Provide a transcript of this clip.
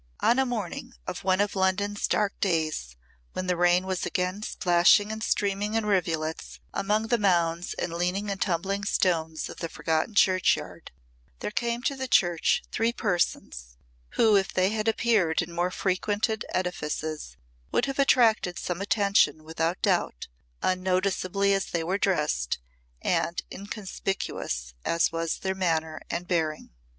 On a morning of one of London's dark days when the rain was again splashing and streaming in rivulets among the mounds and leaning and tumbling stones of the forgotten churchyard, there came to the church three persons who if they had appeared in more frequented edifices would have attracted some attention without doubt, unnoticeably as they were dressed and inconspicuous as was their manner and bearing.